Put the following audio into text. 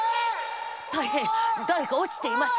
大変誰か落ちています。